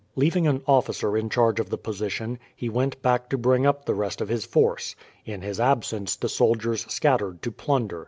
Leaving an officer in charge of the position, he went back to bring up the rest of his force. In his absence the soldiers scattered to plunder.